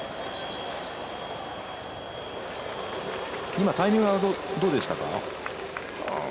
今、タイミングはどうでしたか？